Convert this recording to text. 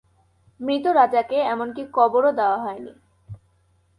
মৃত রাজাকে এমনকি কবরও দেওয়া হয়নি।